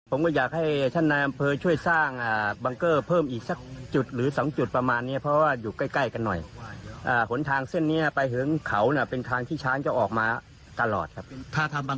โอ้บังเกอร์นี่มีประโยชน์มั้ยครับคุณผู้ชมครับ